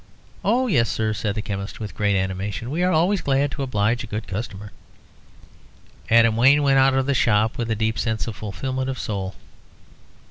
"Oh yes, sir," said the chemist, with great animation; "we are always glad to oblige a good customer." Adam Wayne went out of the shop with a deep sense of fulfilment of soul.